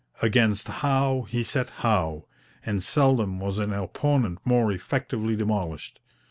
Against Howe he set Howe, and seldom was an opponent more effectively demolished.